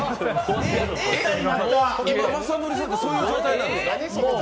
今、雅紀さんって、そういう感じなんですか？